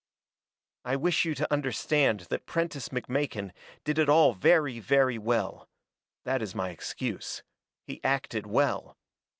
"I wish you to understand that Prentiss McMakin did it all very, very well. That is my excuse. He acted well.